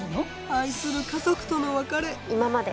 愛する家族との別れ今まで